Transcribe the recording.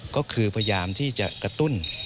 ก็คือพยายามที่จะกระตุ้น